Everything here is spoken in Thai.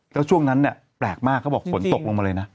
ก็ช่วงนั้นแปลกมากเขาบอกฝนตกลงมาเลยนะ